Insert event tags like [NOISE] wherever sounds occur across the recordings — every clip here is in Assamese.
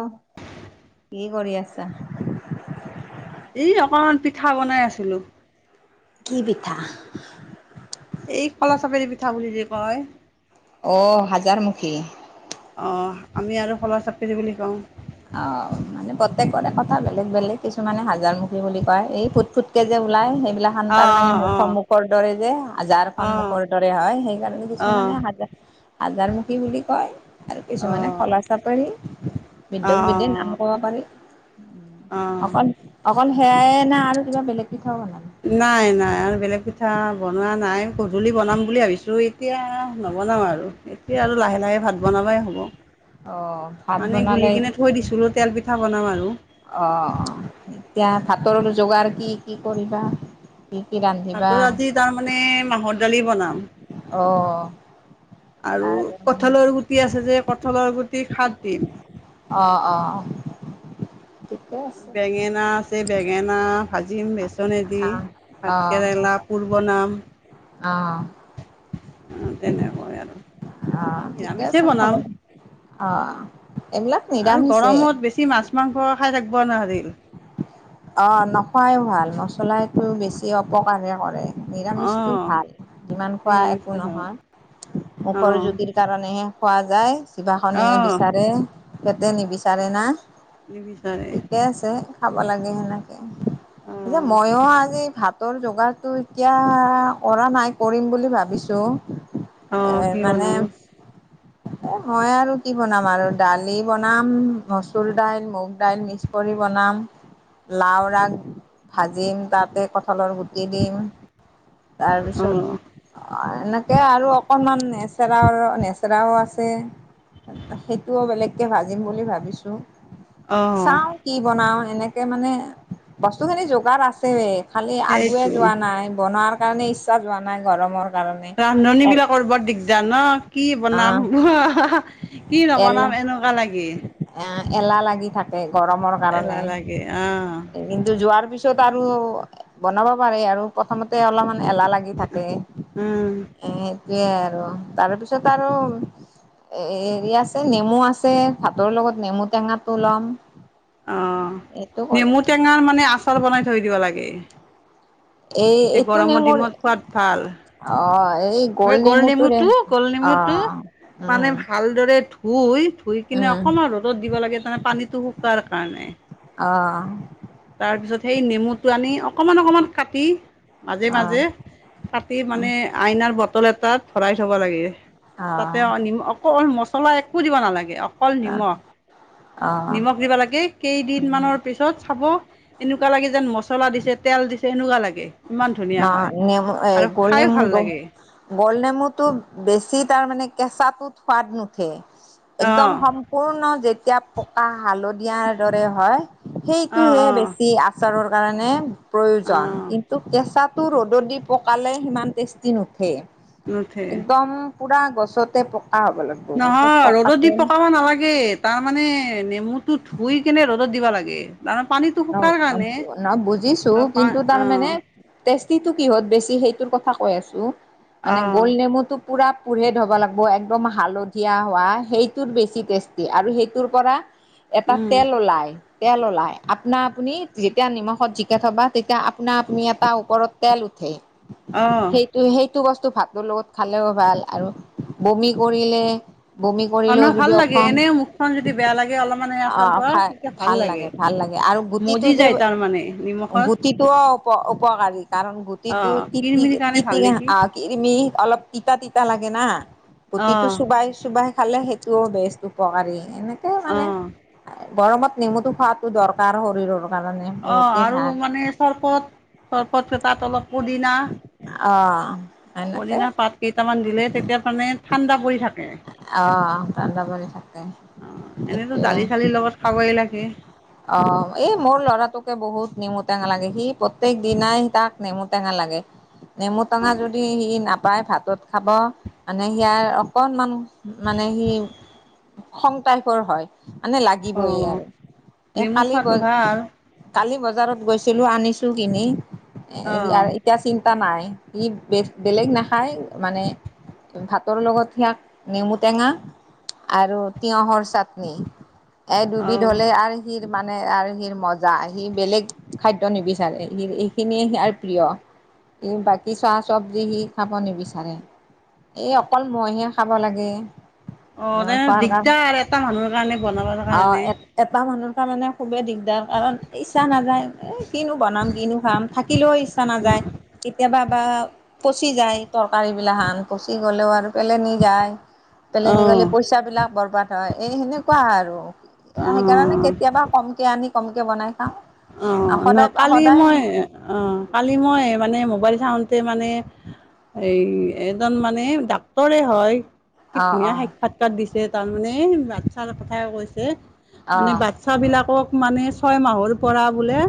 অঁ কি কৰি আছা। এই অকমান পিঠা বনাই আছিলো। কি পিঠা এই ফালা চাপেৰি পিঠা বুলি যে কয়- অঁ হাজাৰমুখী। অঁ আমি আৰু শলা চাপেৰি বুলি কওঁ। অঁ মানে প্ৰত্যেকৰে কথা বেলেগ বেলেগ কিছুমানে হাজাৰমুখী বুলি কয় এই ফুট ফুট- এতিয়া যে ওলাই সেইবিলাক কে অ তাৰ মানে অ মুখ মুখৰ দৰে যে অ হাজাৰখন মুখৰ দৰে হয় সেইকাৰণে অ কিছুমানে হাজাৰ- হজাৰমুখী বুলি কয় আৰু অ কিছুমানে খলা চাপাৰী- অ বিৃদ্ধক বৃদ্ধি নাম কব অ পাৰি অ অকল- অকল সেয়াইে না আৰু কিবা বেলেগকিঠাও বনাবি নাই নাই আৰু বেলেগ পিঠা বনোৱা নাই গধূলি বনাম বুলি ভাবিছোঁই এতিয়া নবনাও আৰু এতিয়া আৰু লাহে লাহে ভাত বনাবাই হ'ব। অ ভাত মানে গুলি বনালে কিনে থৈ দিছিলো তেল পিঠা বনাম আৰু- অঁ এতিয়া ভাতৰৰ যোগাৰ কি কি কৰিবা? পি কি দান। তাতৰ আজি তাৰমানানে মাহৰ দালি বনাম- অঁ অঁ - আৰু কঠলৰ গুটি আছে যে কঠলৰ গুটি সাত দিন- অঁ অঁ- বেঙেনা আছে বেঙেনা ভাজিম বেচন এদি অ', ভাত কেৰেলা- পূৰ্ব নাম- অঁ, তেনেকৈ আৰু আহ ঠিকে নিৰামিষেই আছে হব বনাম আহ এইবিলাক নিদামিছে সি মাছ মাংস খাই থাকিব নোৱাৰি। অ নখোৱাই ভাল মছলাটো বেছি অপকাৰহে কৰে। নিৰামিষটো অঁ ভাল যিমান খোৱা নিৰামিষটো একো ভাল নহয়, মুখৰ অঁ জুতিৰ কাৰণেহে খোৱা যায়, জিভাখনেহে অঁ বিচাৰে পেটে নিবিচাৰে না। নিবিচাৰে। ঠিকে আছে খাব লাগে সেনেকে, পিছে অঁ মইও আজি ভা তৰ যোগাৰটো এতিয়া কৰা নাই কৰিম বুলি ভাবিছো। এ অঁ কি মানে বনাব এ মই আৰু কি বনাম আৰু দালি বনাম মচুৰ দাইল মুগ দাইল মিক্স কৰি বনাম, লাওৰ আগ ভাজিম তাতে কঁঠালৰ গুটি দিম তাৰপিছত অঁ অ এনেকে আৰু অকনমান লেচেৰা লেচেৰাও আছে। সেইটোও বেলেগকে ভাজিম বুলি ভাবিছো। অঁ চাও কি বনাও এনেকে মানে বস্তু খিনি যোগাৰ আছে। খালি আগুৱে সেইটো যোৱা নাই বনোৱাৰ কাৰণে ইচ্ছা যোৱা নাই গৰমৰ কাৰণে। ৰান্ধনী এ বিলাকৰ বৰ দিগ দাৰ ন, কি আহ বনাম কি নবনাম এনেকুৱা লাগে। এ এলাহ লাগি থাকে গৰমৰ কাৰণে। এলাহ লাগে অঁ কিন্তু যোৱাৰ পিছত আৰু বনাব পাৰি আৰু। প্ৰথমতে অলপমান এলাহ লাগি থাকে উম এ সেইটোয়ে আ ৰু তাৰপিছত আৰু এ হেৰি আছে নেমু আছে ভাতৰ লগত নেমু টেঙাটো ল'ম। অ এইটো কৰে নেমু টেঙাৰ মানে আচাৰ বনাই থৈ দিব লাগে। এই এতিয়া এইটো গৰমৰ নেমুৰ দিনত খোৱাত ভাল। অ', গোল এই গুল নেমুটোৰে নেমুটো গুল নেমুটো অ', মানে উম, ভালদৰে ধুই ধুই কিনে উম, অকণমান ৰ'দত দিব লাগে, তাৰ পানীটো শুকোৱাৰ কাৰণে। অ', তাৰপিছত সেই নেমুটো আনি অকণমান অকণমান কাটি মাজে অ', মাজে কাটি মানে আইনাৰ বটল এটাত ভৰাই থব লাগে। তাতে অ নিম অকল মছলা একো দিব নালাগে অকল নিমখ। অ', নিমখ দিব লাগে কেইদিন উম, মানৰ পিছত চাব এনেকুৱা লাগে যেন মচলা দিছে তেল দি ছে তেনেকুৱা লাগে। ইমান ধুনীয়া অঁ হয় নেমু আৰু গুল খাই ভাল নেমুটো। লাগে গুল নমুটো বেছি তাৰ মানে কেঁচাটোত সোৱাদ নুঠে, একদম অ', সম পূৰ্ণ যেতিয়া পকা হালধিয়াৰ দৰে হয়, অ', সেইটোহে অ', বেছি আ চাৰৰ কাৰণে প্ৰয়োজন। অ', কেঁচাটো ৰ'দত দি পকালে সিমান টেষ্টি নুঠে। নুঠে একদম পুৰা গছতে প নহয় ৰ'দত দি পকাব নালাগে। তাৰ মানে নেমুটো ধুই কেনে ৰ'দত দিব লাগে। তাৰমানে পানীটো অ শুকাৰ কাৰণে অ বুজিছো অ', পা কিন্তু তাৰ মানে অ', টেষ্টিটো কিহত বেছি সেইটোৰ কথা কৈ আছো, মানে অ', গুল নেমুটো পূৰা পূৰঠ হব লাগব একদম হালধীয়া হোৱা, সেইটোত বেছি টেষ্টি আৰু সেইটোৰ পৰা এটা উম, তেল ওলাই, তেল ওলাই। আপনা আপুনি যেতিয়া নিমখত জিকে থবা, তেতিয়া আপনা আপুনি এটা ওপৰত তেল উঠে। অঁ তো সেইটো বস্তু ভাতৰ লগত খালেও ভাল, আৰু বমি কৰিলে বমি অ', কৰিলেও নহয় ভাল যদি লাগে অকন এনেই মুখখন যদি বেয়া লাগে অলপমান আচাৰ আঁ খোৱা খাই তেতিয়া ভাল লাগে। গে আৰু গুটিটো মজি যে যায় তাৰমানে নিমখত গুটিটো অ উপ উপকাৰী কাৰণ গুট টিটো অ', তিতি কিৰমিৰ কাৰণে তিতি ভাল নহয় নেকি? আ কি অলপ তিতা-তিতা লাগে না। গুটিটো অ', চোবাই চোবাই খালে সেইটোও বেছ উপকাৰী, এনেকে মানে অ', গৰমত নেমুটো খোৱাটো দৰকাৰ শৰীৰৰ কাৰণে অঁ বহুতেই আৰু ভাল মানে চৰবত, চৰবত কেইটাত অলপ পদিনা অঁ পদিনা পাত কেইটামান দিলে তেতিয়া মানে ঠাণ্ডা পৰি থাকে। অঁ, ঠাণ্ডা পৰি থাক অঁ, এনেইতো দালিচালিৰ লগত খাবই লাগে। অঁ, এই মোৰ ল'ৰাটোকে বহুত নিমুটেঙা লাগে সি প প্ৰত্যেক দিনাই তাক নেমু টেঙা লাগে, নেমু টেঙা অ', যদি সি না পায় ভাতত খাব, মানে সেয়াৰ অকনমান মানে সি খং টাইপৰ হয়, মানে লাগিবৈয়ে অ', আৰু। এই নেমু কালি খোৱাটো বজ, ভাল কালি বজাৰত গৈছিলোঁ আনিছোঁ কিনি অ', এ তিয়া চিন্তা নাই, ই বে বেলেগ নাখায় মানে ভাতৰ লগত সিয়াক নেমুটেঙা আৰু তিয়হৰ চাটনি, এই দুবিধ অ', হলে আ সিৰ মানে আৰু সিৰ মজা সি বেলেগ খাদ্য নিবিচাৰে সি এইখিনিয়ে সিয়াৰ প্ৰিয়। এই বাকী চাহ চব্জি সি খাব নিবিচাৰে। এই অকল মই হে খাব লাগে। অঁ, মই তেনে খোৱাৰ কাৰণে দিগদাৰ এটা মানুহৰ কাৰণে বনাবৰ আহ কাৰণে। এ এটা মানুহৰ কাৰণে খুবেই দিগ তাৰ কাৰণ ইচ্ছা নাযায় এই কিনো বনাম কিনো খাম থাকিলেও ইচ্ছা নাযায়। কেতিয়াবা বা পচি যায় তৰকাৰী গিলাসেন, পচি গ'লেও আৰু পেলনি যায়। পেলনি গলে অ', পইচা বিলাক বৰবাদ হয় এই সেনেকুৱা আৰু, সেইকাৰণে অ'। কেতিয়াবা কমকে আনি কমকে বনাই খাওঁ। অঁ ন সদায় কালি সদায় মই অঁ, কালি মই মানে মোবাইল চাওঁতে মানে এই এজন মানে ডাক্তৰে হয়। কি অ ধুনীয়া অ সাক্ষাৎকাৰ দিছে তাৰমানে, বাচ্ছাৰ কথা কৈছে, অ মানে বা চ্ছা বিলাকক মানে ছয় মাহৰ পৰা বোলে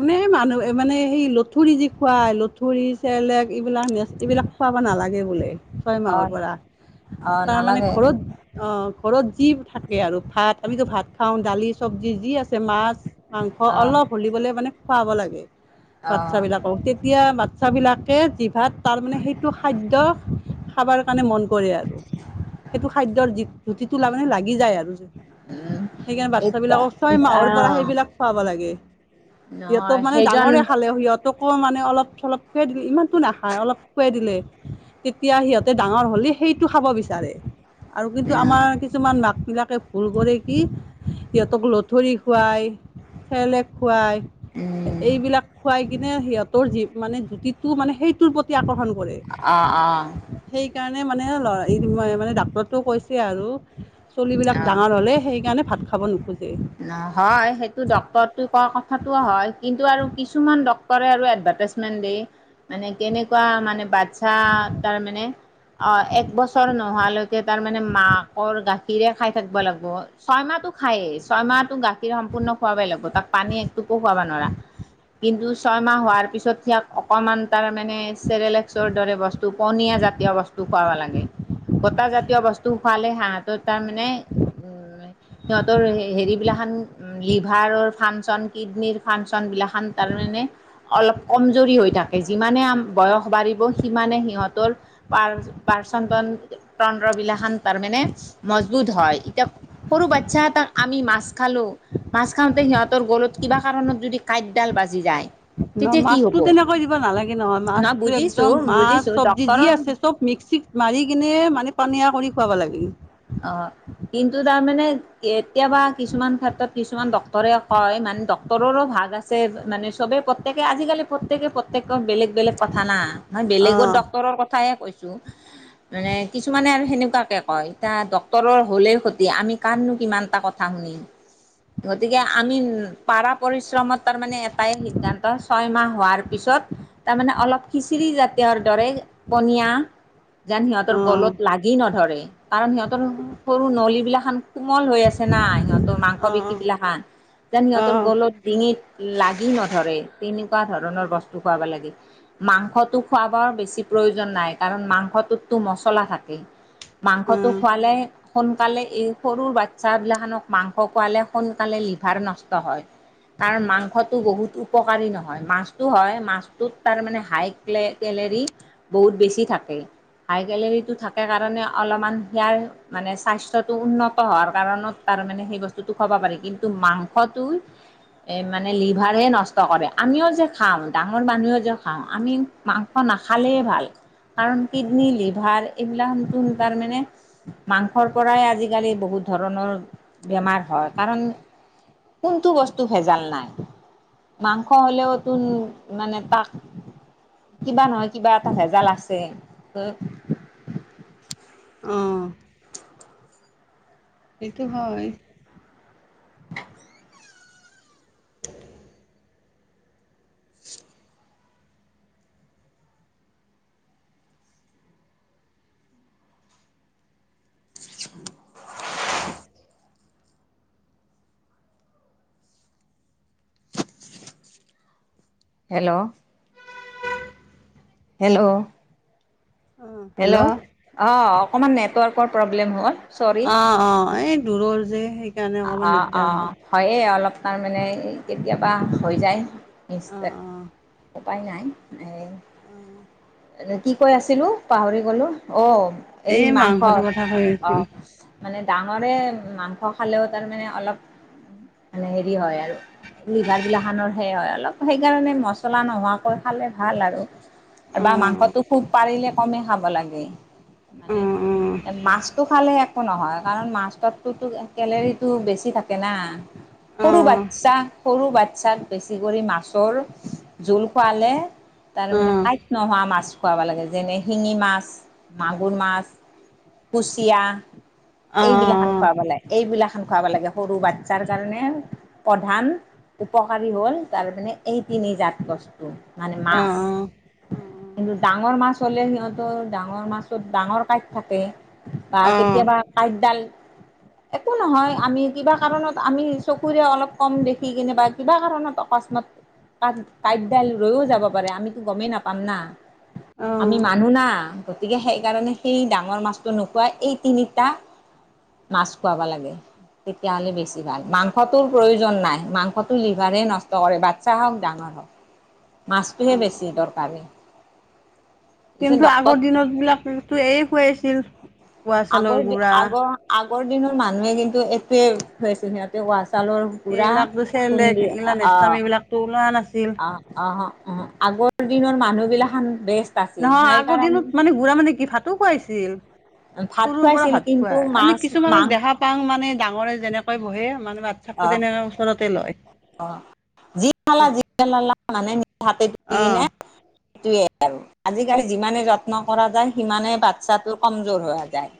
মানে মানুহ মানে সেই লঠুৰি যি খুৱাই লঠুৰি চেলেক এইবিলাক নেচ এইবিলাক খোৱাব নালাগে বোলে ছয় অ মাহৰ পৰা। অ তাৰমানানে নালাগে ঘৰত অঁ ঘৰত যি থাকে আৰু ভাত আমিতো ভাত খাওঁ দালি চবজি যি আছে মাছ। মাংস অ অলপ হলিবলে মানে খুৱাব লাগে অ বাচ্ছাবলাকক, তে এতিয়া বাচ্ছা বিলাকে জিভাত তাৰমানে সেইটো খাদ্য খাবৰ কাৰণে মন কৰে আৰু, সেইটো খাদ্যৰ জু জুতিটো মানে লাগি যায় আৰু। উম সেইকাৰণে এ বাচ্ছাবলাকৰ ছয় অ মাহৰ পৰা সেইবিলাক খুৱাব লাগে, ইহঁতক নহয় মানে সেইজন ডাঙৰে খালেও সিহঁতকো মানে অলপ চলপ খুৱাই দিলে ইমানতো নাখায় অলপ খুৱাই দিলে। তেতিয়া সিহঁতে ডাঙৰ হ'লে সেইটো খাব বিচাৰে আৰু কিন্তু, আমাৰ কিছুমান মাকবিলাকে ভুল কৰে কি সিহঁতক লঠৰি খুৱায়। চেৰেলেক উম, খুৱায় এইবিলাক খোৱাই কিনে সিহঁতৰ যি মানে জুতিটো মানে সেইটোৰ প্ৰতি আকৰ্ষণ কৰে। অ', অ'। সেইকাৰণে মানে ল'ৰা মানে ডাক্তৰটো কৈছে আৰু। চলিবিলাক অ', ডাঙৰ হ'লে সেইকাৰণে, ভাত খাব নোখোজে। নহয়, সেইটো ডক্টৰটো কোৱা কথা টো হয়, কিন্তু আৰু কিছুমান ডক্তৰে আৰু এডভাৰ্টাইজমেন্ট দেই। মানে কেনেকুৱা মানে বাচ্ছা তাৰ মানে অ', এক বছৰ নোহোৱালৈকে তাৰমানে মাকৰ গাখিৰে খাই থাকিব লাগিব। ছয়মাহটো খায়েই ছয়মাহটো গাখীৰ সম্পূৰ্ণ খুৱাবই লাগিব, তাক পানী একটোপো খুৱাব নোৱাৰা। কিন্তু ছয়মাহ হোৱাৰ পিছত ইয়াক অকণমান তাৰমানে চেৰেলেক্সৰ দৰে বস্তু, পনীয়া জাতীয় বস্তু খুৱাব লাগে। গোটা জাতীয় বস্তু খোৱালে হাঁহতৰ তাৰমানে উম, সিহঁতৰ হেৰিবিলাখান লিভাৰৰ ফাংচন কিডনীৰ ফাংচনবিলাকান তাৰমানে অলপ কমজুৰি হৈ থাকে, যিমানে বয়স বাঢ়িব সিমানে সিহঁতৰ পা-পাচন তন-তন্দ্ৰ বিলাসান তাৰ মানে মজবুত হয়, এতিয়া সৰু বাচ্ছা এটাক আমি মাছ খালো, মাছ খাওঁতে সিহঁতৰ গলত কিবা কাৰণত যদি কাঁইটডাল বাজি যায়। ন' তেতিয়া কি মাছতো হ'ব তেনেকৈ দিব নালাগে নহয়, ন মাছতো একদম বুজিছোঁ মাছ বুজিছোঁ চবজি যি ডক্তৰৰ আছে চব মিক্সিত মাৰি কিনে মানে পানীয়া কৰি খুৱাব লাগে। অ', কিন্তু তাৰমানে কেতিয়াবা কিছুমান ক্ষেত্ৰত কিছুমান ডকক্তটৰে কয়, মানে ড ক্টৰৰো ভাগ আছে মানে চবেই প্ৰত্যেকে আজিকালি প্ৰত্য়েকে প্ৰত্যেকৰ বেলেগ বেলেগ কথা না নহয় অ বেলেগৰ ডক্টৰৰ কথাহে কৈছোঁ। মানে কিছুমানে আৰু সেনেকুৱাকে কয়। এতিয়া ডক্তৰৰ হ'লেই ক্ষতি আমি কাৰ নো কিমানটা কথা শুনিম। গতিকে আমি পাৰা পৰিশ্ৰমত তাৰমানে এটাই সিদ্ধান্ত ছয়মাহ হোৱাৰ পিছত তাৰমানে অলপ খিচিৰি জাতীয়ৰ দৰে পনীয়া যেন সিহঁতৰ অ গলত লাগি নধৰে। কাৰণ সিহঁতৰ সৰু নলী বিলাক খান কোমল হৈ আছে না, সিহঁতৰ মাংস অ পেশী বিলা খান। যেন অ সিহঁতৰ গলত ডিঙিত লাগি নধৰে, তেনেকুৱা অ ধৰণৰ বস্তু খোৱাব লাগে। মাংসটো খোৱাবৰ বেছি প্ৰয়োজন নাই কাৰণ, মাংসটোততো মছলা থাকে। মাংসটো অ খোৱালে সোনকালে এই সৰু বাচ্ছাবিলাখনক মাংস খোৱালে সোনকালে লিভাৰ নষ্ট হয়। তাৰ মাংসটো বহুত উপকাৰী নহয়, মাছতটো হয়, মাছটোত তাৰ মানে হাইট কেলেৰী বহুত বেছি থাকে হাই কেলেৰীটো থাকে কাৰণে অলপমান ইয়াৰ মানে স্বাস্থ্যটো উন্নত হোৱাৰ কাৰণত তাৰ মানে সেই বস্তুটো খাব পাৰি কিন্তু, মাংসটো এই মানে লিভাৰেই নষ্ট কৰে, আমিও যে খাওঁ ডাঙৰ মানুহে যে খাওঁ, আমি মাংস নাখালেই ভাল কাৰণ, কিডনী লিভাৰ এইবিলাকখান তাৰমানে মাংসৰ পৰাই আজিকালি বহুত ধৰণৰ বেমাৰ হয়, কাৰণ কোনটো বস্তু ভেজাল নাই। মাংস হ'লেও তোন মানে তাক কিবা নহয় কিবা এটা ভেজাল আছেই। অ' সেইটো হয় [INAUDIBLE] হেল্ল', হেল্ল' হেল্ল', অ', অকমান নেটৱৰ্কৰ প্ৰব্লেম হ'ল চৰি অ', অ, এই দূৰৰ যে, সেই অ, অ, হয়েই অলপ তাৰমানে, কেতিয়াবা হৈ যায়। অ মিষ্টেক, অ উপায় নাই, এই অ' এ কি কৈ আছিলোঁ, পাহৰি গলো, অ', এই মাংস, মাংসটোৰ কথা কৈ অ' আছিলোঁ মানে ডাঙৰে মাংস খালে তাৰ মানে অলপ, মানে হেৰি হয় আৰু লিভাৰবিলাখনৰ সেই হয় অলপ, সেইকাৰণে মছলা নোহোৱাকৈ খালে ভাল আৰু। অ বা মাংসটো খুব পাৰিলে কমে খাব লাগে। অ মানে এ মাছটো খালে এক কো নহয়, কাৰণ মাছ তাততোতো কেলেৰীটো বেছি থাকে না অ অ সৰু বাচ্ছাক, সৰু বাচ্ছাক বেছি কৰি মাছৰ জোল খোৱালে তাৰ অ মানে কাঁইট নোহোৱা মাছ মাছ খোৱাব লাগে, যেনে শিঙি মাছ, মাগুৰ মাছ, কুচিয়া অ অ অ এইবিলাখন খুৱাব লাগে, এইবিলাখন খুৱাব লাগে সৰু বাচ্ছাৰ কাৰণে প্ৰধান উপকাৰী হ'ল তাৰ মানে এই তিনি জাত বস্তু, মানে মাছ। কিন্তু ডাঙৰ মাছ হ'লে সিহঁতৰ ডাঙৰ মাছত, ডাঙৰ কাঁইত থাকে বা অ অ কেতিয়াবা কাঁইটডাল একো নহয়, আমি কিবা কাৰণত আমি চকুৰে অলপ কম দেখি কেনে বা কিবা কাৰণত অকস্মাত কাঁট কাঁইট ডাল ৰৈও যাব পাৰে, আমিতো গমেই নাপ পাম না, আমি অ মানু্হ না গতিকে সেইকাৰণে সেই ডাঙৰ মাছটো নোখোৱাই এই তিনিটা মাছ খোৱাব লাগে। তেতিয়াহ'লে বেছি ভাল। মাংসটোৰ প্ৰয়োজন নাই, মাংসটো লিভাৰেই নষ্ট কৰে, বাচ্ছা হওক, ডাঙৰ হওক। অ মাছটোহে বেছি অ দৰকাৰী। পিছে কিন্তু ডক্তৰ আগৰ দিনত বিলাকতো এই খুৱাইছিল, উহা আগৰ চাউলৰ দি গুৰা আগৰ আগৰ দিনৰ মানুহে কিন্তু এইটোৱে খুৱাই ছিল, সিহঁতে উহা চাউলৰ গুৰা এইবিলাকতো চেৰেলেক, খুন্দি এইবিলাক অ' নেষ্টাম, অ' এইবিলাক ওলোৱা নাছিল। অ, অহ, অহ, আগৰ দিনৰ মানুহ বিলাকখন বেষ্ট। আছিল নহয় আগৰ দিনত সেইকাৰণে মানে গুৰা মানে কি, ভাতো খুৱাইছিল। ভাত সৰুৰ পৰা খুৱাইছিল ভাত কিন্তু খোৱাই, আমি মাছ মাং কিছুমানক দেখা পাওঁ মানে ডাঙৰে যেনেকৈ বহে, মানে বাচ্ছাকো অ' তেনেকে ওচৰতে লয়। [INAUDIBLE] অ আজিকালি যিমানে যত্ন কৰা যায়, সিমানে বাচ্ছাটো কমজোৰ হৈ যায়।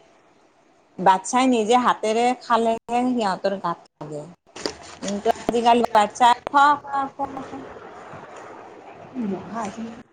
বাচ্ছাই নিজে হাতেৰে খালেহে সিহঁতৰ গাত লাগে, কিন্তু আজিকালি বাচ্ছা, খোৱা [UNINTELLIGIBLE] [INAUDIBLE]